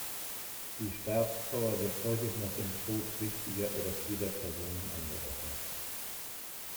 Die Staatstrauer wird häufig nach dem Tod wichtiger oder vieler Personen angeordnet.